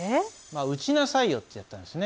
打ちなさいよってやったんですね。